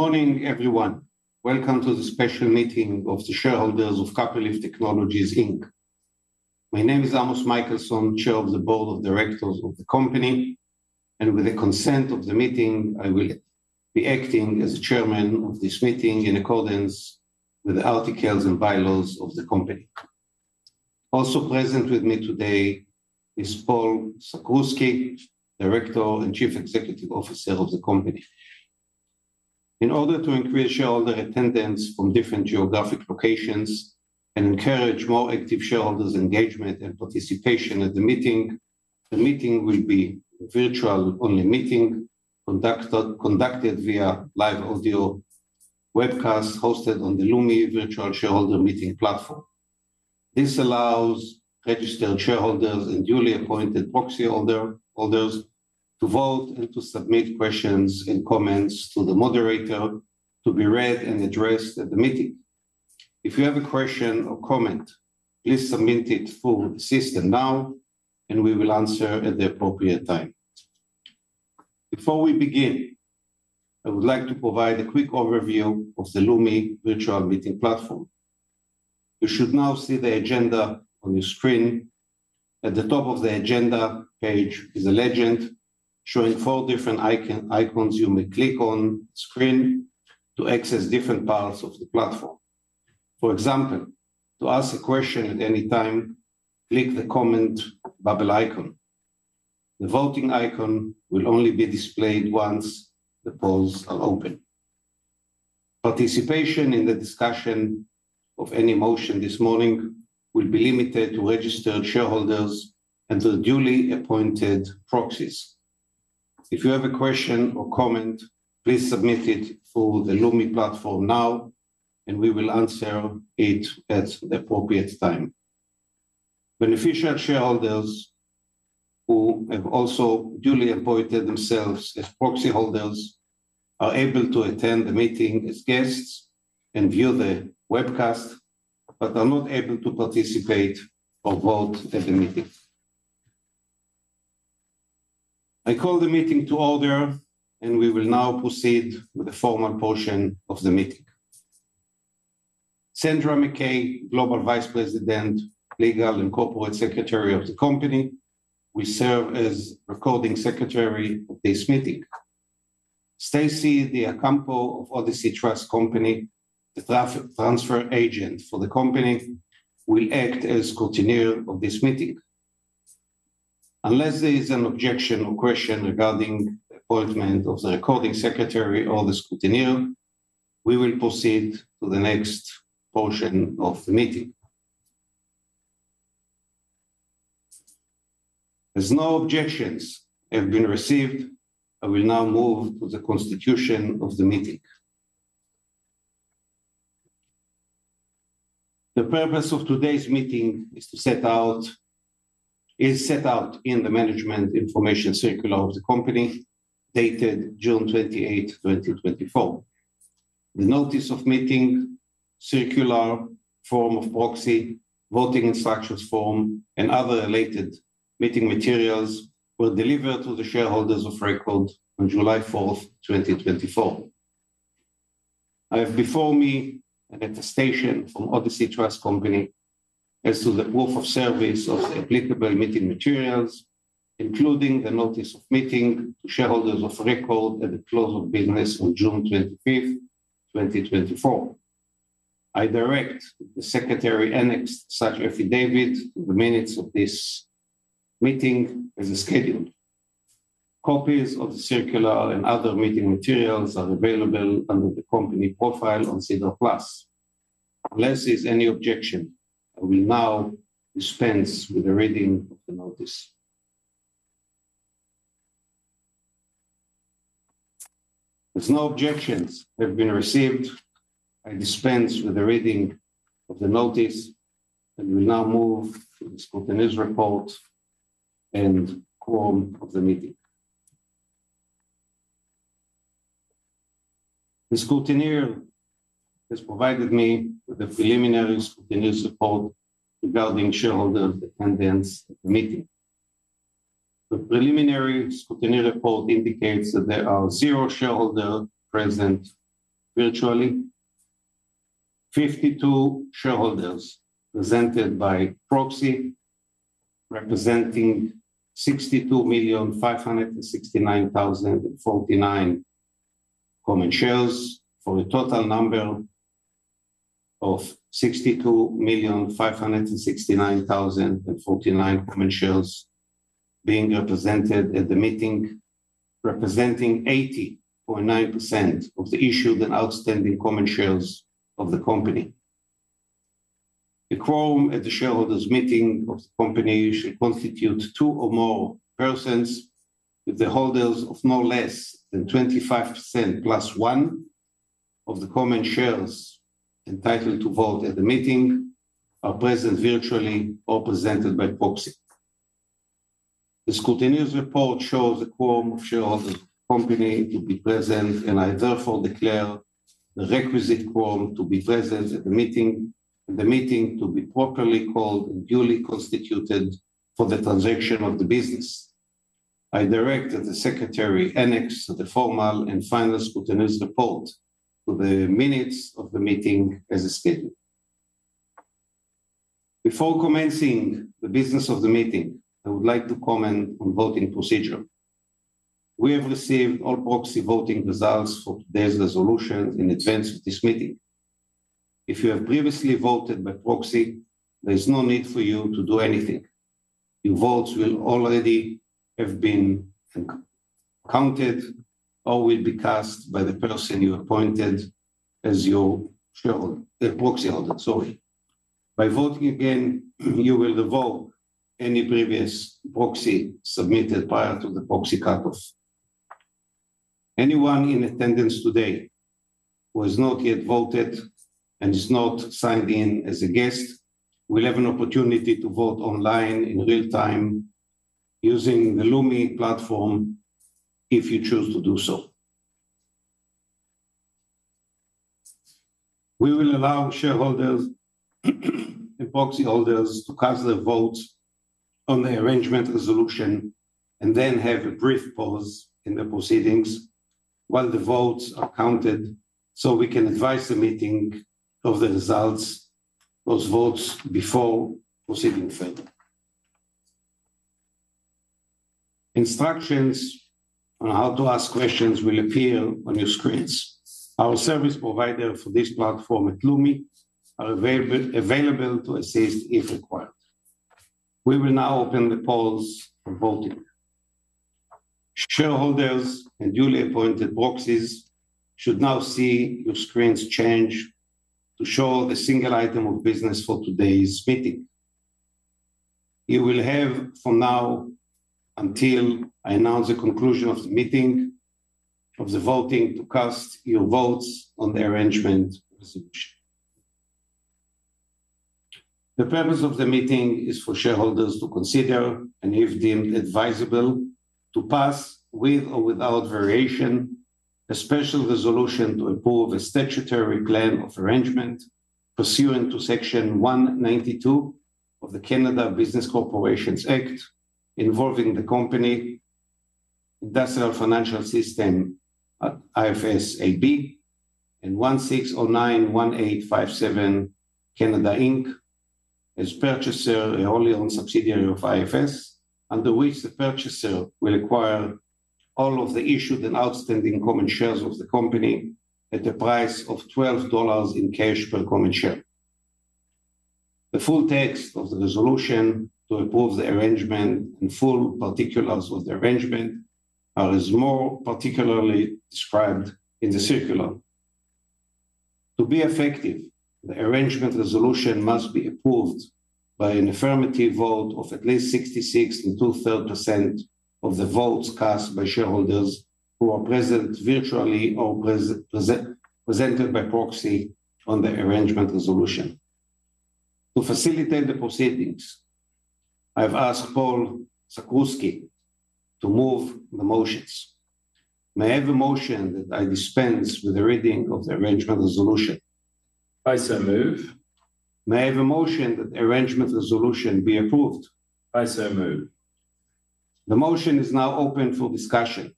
Good morning, everyone. Welcome to the special meeting of the shareholders of Copperleaf Technologies Inc. My name is Amos Michelson, Chair of the Board of Directors of the company, and with the consent of the meeting, I will be acting as chairman of this meeting in accordance with the articles and bylaws of the company. Also present with me today is Paul Sakrzewski, Director and Chief Executive Officer of the company. In order to increase shareholder attendance from different geographic locations and encourage more active shareholders engagement and participation at the meeting, the meeting will be a virtual-only meeting, conducted via live audio webcast hosted on the Lumi Virtual Shareholder Meeting platform. This allows registered shareholders and duly appointed proxy holders to vote and to submit questions and comments to the moderator to be read and addressed at the meeting. If you have a question or comment, please submit it through the system now, and we will answer at the appropriate time. Before we begin, I would like to provide a quick overview of the Lumi virtual meeting platform. You should now see the agenda on your screen. At the top of the agenda page is a legend showing four different icons you may click on-screen to access different parts of the platform. For example, to ask a question at any time, click the comment bubble icon. The voting icon will only be displayed once the polls are open. Participation in the discussion of any motion this morning will be limited to registered shareholders and the duly appointed proxies. If you have a question or comment, please submit it through the Lumi platform now, and we will answer it at the appropriate time. Beneficial shareholders who have also duly appointed themselves as proxy holders are able to attend the meeting as guests and view the webcast, but are not able to participate or vote at the meeting. I call the meeting to order, and we will now proceed with the formal portion of the meeting. Sandra McKay, Global Vice President, Legal and Corporate Secretary of the company, will serve as Recording Secretary of this meeting. Stacey Diocampo of Odyssey Trust Company, the transfer agent for the company, will act as scrutineer of this meeting. Unless there is an objection or question regarding the appointment of the recording secretary or the scrutineer, we will proceed to the next portion of the meeting. As no objections have been received, I will now move to the constitution of the meeting. The purpose of today's meeting is set out in the Management Information Circular of the company, dated June 28, 2024. The notice of meeting, circular form of proxy, voting instructions form, and other related meeting materials were delivered to the shareholders of record on July 4, 2024. I have before me an attestation from Odyssey Trust Company as to the proof of service of the applicable meeting materials, including the notice of meeting to shareholders of record at the close of business on June 25, 2024. I direct that the secretary annex such affidavit to the minutes of this meeting as is scheduled. Copies of the circular and other meeting materials are available under the company profile on SEDAR+. Unless there's any objection, I will now dispense with the reading of the notice. As no objections have been received, I dispense with the reading of the notice, and we now move to the scrutineer's report and quorum of the meeting. The scrutineer has provided me with a preliminary scrutineer's report regarding shareholder attendance at the meeting. The preliminary scrutineer's report indicates that there are zero shareholders present virtually, 52 shareholders presented by proxy, representing 62,569,049 common shares, for a total number of 62,569,049 common shares being represented at the meeting, representing 80.9% of the issued and outstanding common shares of the company. The quorum at the shareholders meeting of the company should constitute two or more persons, with the holders of no less than 25% plus one of the common shares entitled to vote at the meeting are present, virtually or presented by proxy. The Scrutineer's Report shows a quorum of shareholders of the company to be present, and I therefore declare the requisite quorum to be present at the meeting, and the meeting to be properly called and duly constituted for the transaction of the business. I direct that the Secretary annex the formal and final Scrutineer's Report to the minutes of the meeting as scheduled. Before commencing the business of the meeting, I would like to comment on voting procedure. We have received all proxy voting results for today's resolution in advance of this meeting. If you have previously voted by proxy, there is no need for you to do anything. Your votes will already have been co-counted or will be cast by the person you appointed as your shareholder, the proxy holder, sorry. By voting again, you will revoke any previous proxy submitted prior to the proxy cutoff. Anyone in attendance today who has not yet voted and is not signed in as a guest will have an opportunity to vote online in real time using the Lumi platform, if you choose to do so. We will allow shareholders and proxy holders to cast their votes on the arrangement resolution and then have a brief pause in the proceedings while the votes are counted, so we can advise the meeting of the results, those votes, before proceeding further. Instructions on how to ask questions will appear on your screens. Our service provider for this platform at Lumi are available to assist if required. We will now open the polls for voting. Shareholders and duly appointed proxies should now see your screens change to show the single item of business for today's meeting. You will have from now until I announce the conclusion of the meeting, of the voting, to cast your votes on the arrangement resolution. The purpose of the meeting is for shareholders to consider, and if deemed advisable, to pass, with or without variation, a special resolution to approve a statutory plan of arrangement pursuant to Section 192 of the Canada Business Corporations Act, involving the company Industrial and Financial Systems, IFS AB, and 16091857 Canada Inc., as purchaser, a wholly owned subsidiary of IFS, under which the purchaser will acquire all of the issued and outstanding common shares of the company at the price of 12 dollars in cash per common share. The full text of the resolution to approve the arrangement and full particulars of the arrangement are as more particularly described in the circular. To be effective, the arrangement resolution must be approved by an affirmative vote of at least 66 2/3% of the votes cast by shareholders who are present virtually or presented by proxy on the arrangement resolution. To facilitate the proceedings, I've asked Paul Sakrzewski to move the motions. May I have a motion that I dispense with the reading of the arrangement resolution? I so move. May I have a motion that the arrangement resolution be approved? I so move. The motion is now open for discussion.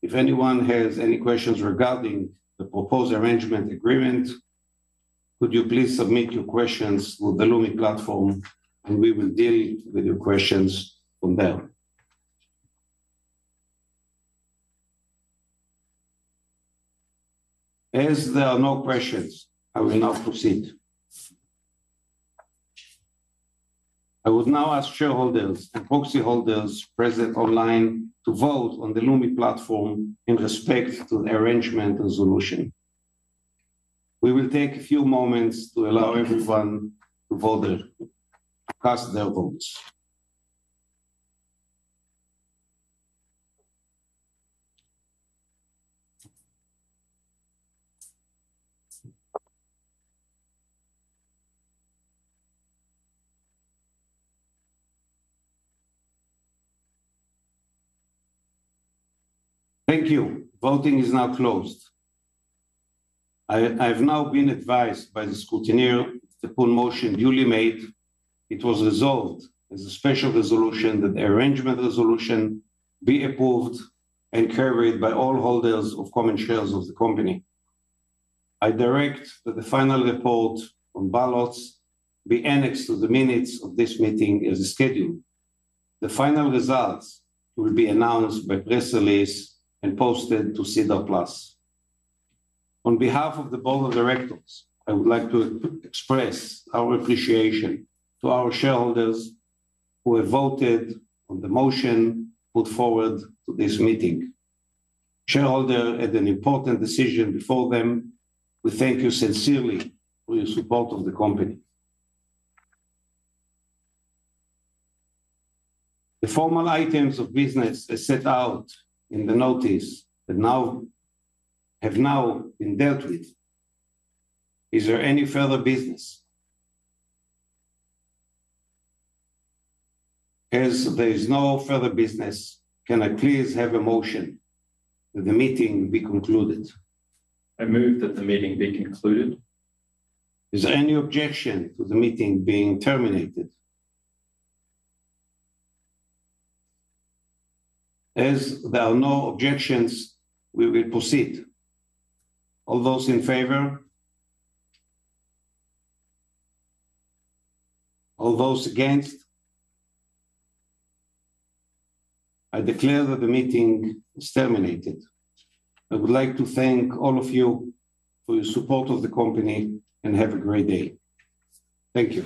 If anyone has any questions regarding the proposed arrangement agreement, could you please submit your questions through the Lumi platform, and we will deal with your questions from there. As there are no questions, I will now proceed. I would now ask shareholders and proxy holders present online to vote on the Lumi platform in respect to the arrangement resolution. We will take a few moments to allow everyone to vote, cast their votes. Thank you. Voting is now closed. I, I've now been advised by the scrutineer that the poll motion duly made, it was resolved as a special resolution that the arrangement resolution be approved and carried by all holders of common shares of the company. I direct that the final report on ballots be annexed to the minutes of this meeting as scheduled. The final results will be announced by press release and posted to SEDAR+. On behalf of the board of directors, I would like to express our appreciation to our shareholders who have voted on the motion put forward to this meeting. Shareholders had an important decision before them. We thank you sincerely for your support of the company. The formal items of business as set out in the notice that have now been dealt with. Is there any further business? As there is no further business, can I please have a motion that the meeting be concluded? I move that the meeting be concluded. Is there any objection to the meeting being terminated? As there are no objections, we will proceed. All those in favor? All those against? I declare that the meeting is terminated. I would like to thank all of you for your support of the company, and have a great day. Thank you.